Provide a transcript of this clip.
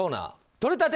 とれたて！